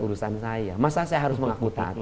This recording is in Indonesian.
urusan saya masa saya harus mengaku taat